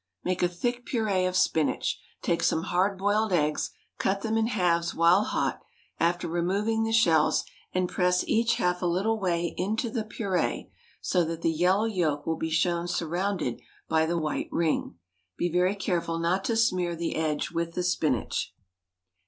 Make a thick puree of spinach; take some hard boiled eggs, cut them in halves while hot, after removing the shells, and press each half a little way into the puree, so that the yellow yolk will be shown surrounded by the white ring. Be very careful not to smear the edge with the spinach.